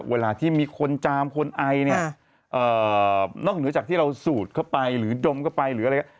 เวลาที่มีคนจามคนไอเนี่ยนอกเหนือจากที่เราสูดเข้าไปหรือดมเข้าไปหรืออะไรก็